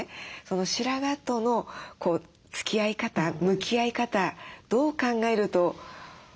白髪とのつきあい方向き合い方どう考えるとよろしいでしょうか？